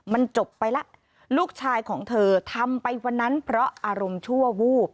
มันจบไปแล้วลูกชายของเธอทำไปวันนั้นเพราะอารมณ์ชั่ววูบ